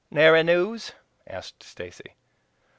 "Nary news?" asked Stacy.